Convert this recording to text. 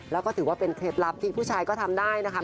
แล้วก็ถือว่าเป็นเคล็ดลับที่ผู้ชายก็ทำได้นะคะ